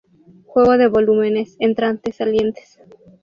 Juego de volúmenes, entrantes, salientes.